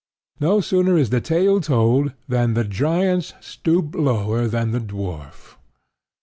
No sooner is the tale told than the giants stoop lower than the dwarf.